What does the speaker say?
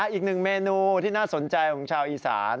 อีกหนึ่งเมนูที่น่าสนใจของชาวอีสาน